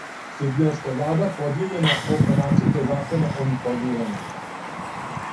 Србијанска влада подијељена око нацрта закона о информирању